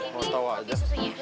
wah ini kopi susunya